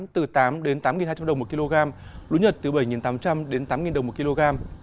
từ tám đến tám hai trăm linh đồng một kg lúa nhật từ bảy tám trăm linh đến tám đồng một kg